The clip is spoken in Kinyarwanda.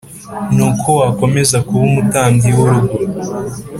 Ni uko wakomeza kuba umutambyi w urugo